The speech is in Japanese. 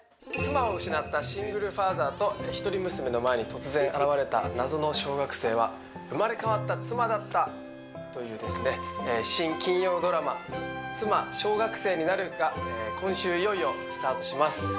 妻を失ったシングルファーザーと一人娘の前に突然現れた謎の小学生は生まれ変わった妻だったというですね新金曜ドラマ「妻、小学生になる。」が今週いよいよスタートします